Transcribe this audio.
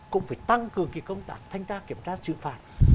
cũng phải tăng cường công tác thanh tra kiểm tra xử phạt